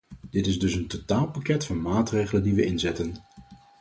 Dit is dus een totaalpakket van maatregelen die we inzetten.